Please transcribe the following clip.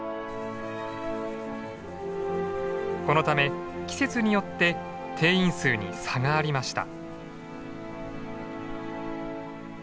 このため季節によって定員数に差がありました。